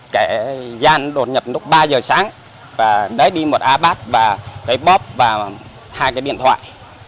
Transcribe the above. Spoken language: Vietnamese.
kể gian đột nhập lúc ba giờ sáng và đấy đi một ipad và cái bóp và hai cái điện thoại